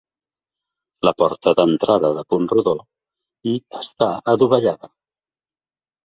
La porta d'entrada de punt rodó i està adovellada.